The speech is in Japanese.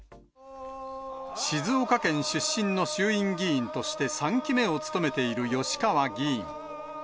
静岡県出身の衆院議員として、３期目を務めている吉川議員。